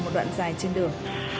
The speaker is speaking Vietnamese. cảm ơn các bạn đã theo dõi và hẹn gặp lại